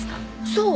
そう！